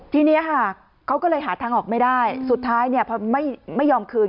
ทีนี้ค่ะเขาก็เลยหาทางออกไม่ได้สุดท้ายเนี่ยพอไม่ยอมคืน